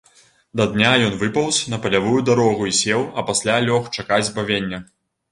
Да дня ён выпаўз на палявую дарогу і сеў, а пасля лёг чакаць збавення.